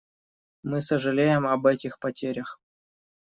Мы сожалеем об этих потерях.